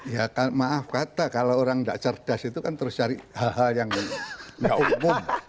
ya kan maaf kata kalau orang tidak cerdas itu kan terus cari hal hal yang nggak umum